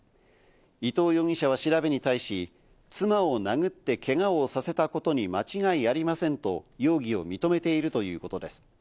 伊藤容疑者は調べに対し、妻を殴ってけがをさせたことに間違いありませんと容疑を認めているということです。